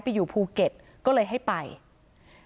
ต่างฝั่งในบอสคนขีดบิ๊กไบท์